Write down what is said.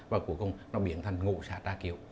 và cuối cùng nó biển thành ngụ xã trà kiệu